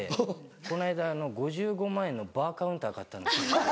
この間５５万円のバーカウンター買ったんですよ。